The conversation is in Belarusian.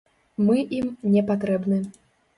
Мы ім не патрэбны.